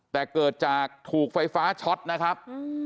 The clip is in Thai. แต่เกิดจากถูกไฟฟ้าช็อตนะครับ